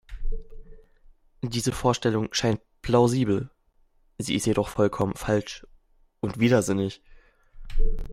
Diese Vorstellung scheint plausibel, sie ist jedoch vollkommen falsch und widersinnig.